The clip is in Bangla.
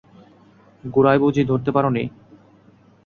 গোড়ায় বুঝি ধরতে পারো নি?